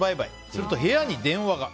すると、部屋に電話が。